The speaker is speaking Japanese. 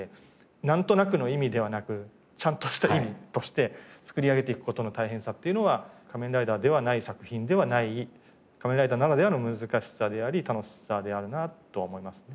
なんとなくの意味ではなくちゃんとした意味としてつくり上げていく事の大変さっていうのは『仮面ライダー』ではない作品ではない『仮面ライダー』ならではの難しさであり楽しさであるなと思いますね。